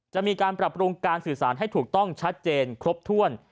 จะมีการปรับปรุงการสื่อสารให้ถูกต้องชัดเจนครบถ้วน